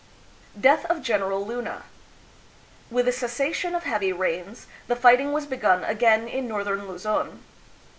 Death of General Luna. With the cessation of heavy rains, the fighting was begun again in northern Luzon.